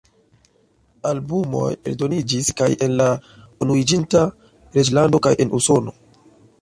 Albumoj eldoniĝis kaj en la Unuiĝinta Reĝlando kaj en Usono.